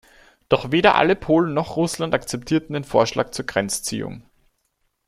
Doch weder alle Polen noch Russland akzeptierten den Vorschlag zur Grenzziehung.